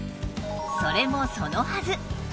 それもそのはず